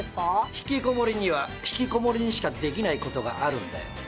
引きこもりには引きこもりにしかできないことがあるんだよ。